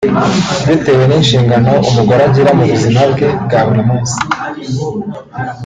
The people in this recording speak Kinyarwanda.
Bitewe n’inshingano umugore agira mu buzima bwe bwa buri munsi